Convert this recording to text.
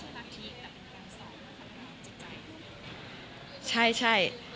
อย่างนอกไม่ใช่ลักษณ์ที่อีกแต่เป็นการสอนการขัดเก้าจิตใจของคุณ